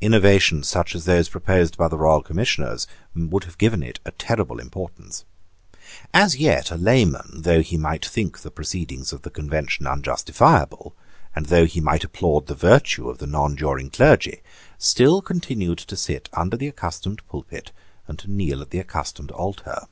Innovations such as those proposed by the Royal Commissioners would have given it a terrible importance. As yet a layman, though he might think the proceedings of the Convention unjustifiable, and though he might applaud the virtue of the nonjuring clergy, still continued to sit under the accustomed pulpit, and to kneel at the accustomed altar.